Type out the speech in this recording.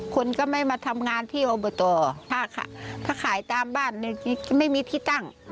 คนก็ไม่มาทำงานที่อบตถ้าขายตามบ้านไม่มีที่ตั้ง